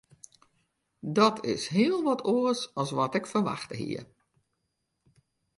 Dat is hiel wat oars as wat ik ferwachte hie.